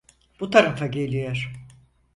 Bu tarafa geliyor.